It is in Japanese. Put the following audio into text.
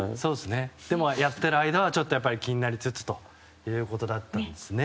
でも、やってる間はちょっと気になりつつということだったんですね。